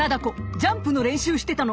ジャンプの練習してたの。